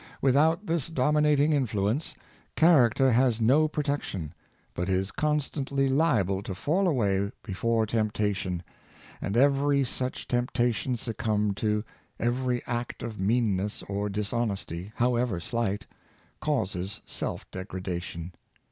With out this dominating influence, character has no protec tion, but is constantly liable to fall away before tempta tion; and every such temptation succumbed to, every act of meanness or dishonesty, however slight, causes selfdegradation.